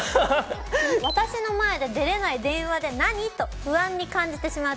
「私の前で出れない電話って何？と不安に感じてしまうため」だって。